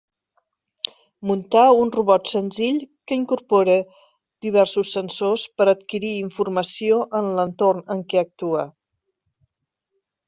Muntar un robot senzill que incorpore diversos sensors per a adquirir informació en l'entorn en què actua.